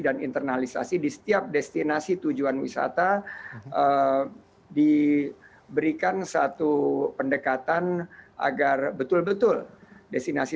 dan internalisasi di setiap destinasi tujuan wisata diberikan satu pendekatan agar betul betul destinasi